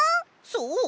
そう！